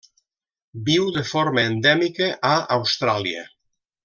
Viu de forma endèmica a Austràlia.